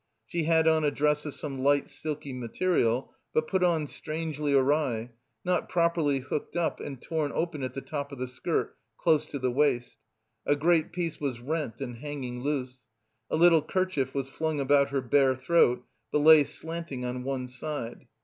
She had on a dress of some light silky material, but put on strangely awry, not properly hooked up, and torn open at the top of the skirt, close to the waist: a great piece was rent and hanging loose. A little kerchief was flung about her bare throat, but lay slanting on one side.